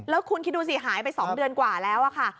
แล้วคุณคิดดูสิหายไป๒เดือนกว่าแล้วค่ะ